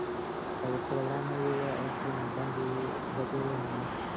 او ورسره ورانه یې وي او ترېنه بده مني!